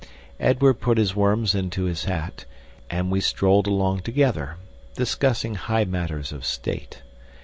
Edward put his worms into his hat, and we strolled along together, discussing high matters of state.